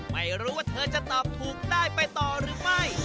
ไม่รู้ว่าเธอจะตอบถูกได้ไปต่อหรือไม่